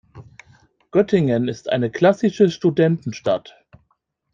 Göttingen ist eine klassische Studentenstadt.